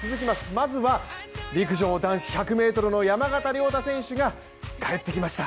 まずは陸上男子１００ｍの山縣亮太選手が帰ってきました。